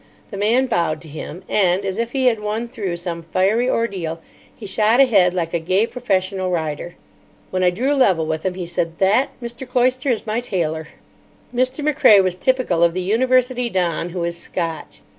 The man bowed to him, and, as if he had won through some fiery ordeal, he shot ahead like a gay professional rider. When I drew level with him, he said, "That, Mr. Cloyster, is my tailor." Mr. Macrae was typical of the University don who is Scotch.